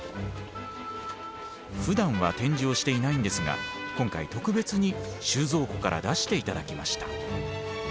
ふだんは展示をしていないんですが今回特別に収蔵庫から出して頂きました。